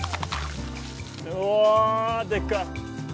おでかい！